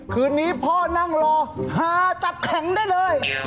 คืนนี้พ่อนั่งรอฮาตับแข็งได้เลย